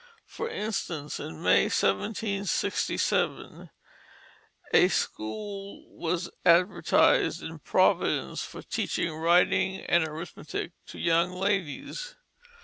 For instance, in May, 1767, a school was advertised in Providence for teaching writing and arithmetic to "young ladies."